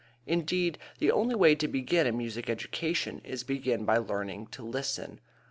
Indeed, the only way to begin a music education is to begin by learning to listen.